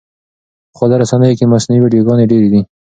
په خواله رسنیو کې مصنوعي ویډیوګانې ډېرې دي.